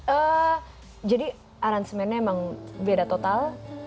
eee jadi aransemennya emang beda total